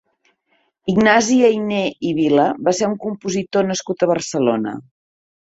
Ignasi Ayné i Vila va ser un compositor nascut a Barcelona.